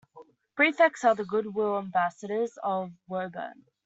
Prefects are the good-will ambassadors of Woburn.